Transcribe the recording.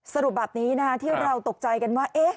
สรุปแบบนี้ที่เราตกใจกันว่า